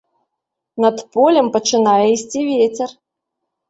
Над полем пачынае ісці вецер.